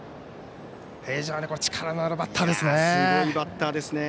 非常に力のあるバッターですね。